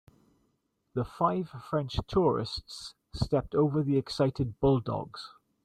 The five French tourists stepped over the excited bulldogs.